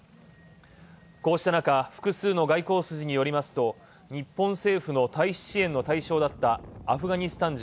こうした中、複数の外交筋によりますと日本政府の退避支援の対象だったアフガニスタン人